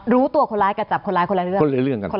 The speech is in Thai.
รู้ตัวคนร้ายกับจับคนร้ายคนละเรื่องกัน